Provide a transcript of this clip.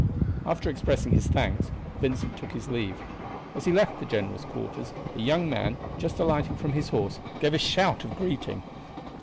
After expressing his thanks Vincent took his leave. As he left the general's quarters, a young man, just alighting from his horse, gave a shout of greeting.